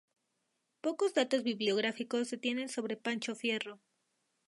Pocos datos biográficos se tienen sobre Pancho Fierro.